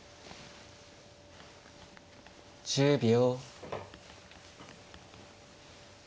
１０秒。